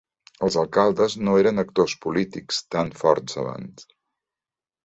Els alcaldes no eren actors polítics tan forts abans.